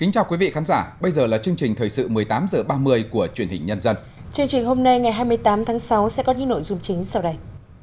chương trình hôm nay ngày hai mươi tám tháng sáu sẽ có những nội dung chính sau đây